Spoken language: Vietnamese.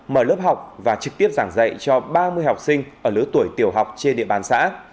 mở lớp học và trực tiếp giảng dạy cho ba mươi học sinh ở lứa tuổi tiểu học trên địa bàn xã